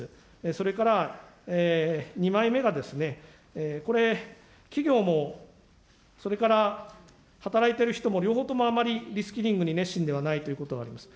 それから２枚目が、これ、企業もそれから働いている人も両方ともあまりリ・スキリングに熱心ではないと思います。